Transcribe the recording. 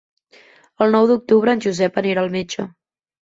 El nou d'octubre en Josep anirà al metge.